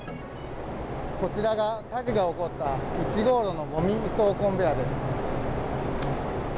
こちらが、火事が起こった１号炉のごみ移送コンベヤーです。